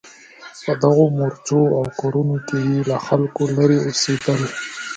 په دغو مورچو او کورونو کې یې له خلکو لرې اوسېدل.